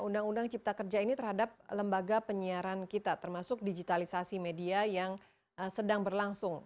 undang undang cipta kerja ini terhadap lembaga penyiaran kita termasuk digitalisasi media yang sedang berlangsung